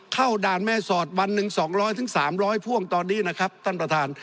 ด่านแม่สอดวันหนึ่ง๒๐๐๓๐๐พ่วงตอนนี้นะครับท่านประธาน